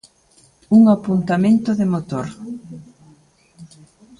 Un apuntamento de motor.